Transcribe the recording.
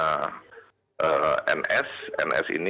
ns ini kalau jabatan dalam setelah ini